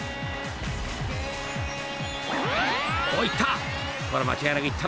［おっいった！